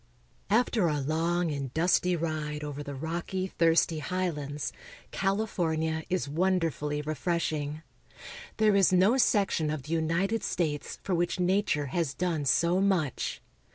After our long and dusty ride over the rocky, thirsty A DELIGHTFUL CLIMATE. 265 highlands, California is wonderfully refreshing. There is no section of the United States for which nature has done so much.